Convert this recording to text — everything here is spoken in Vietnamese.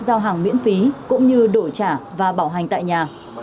giao hàng miễn phí cũng như đổi trả và bảo hành tại nhà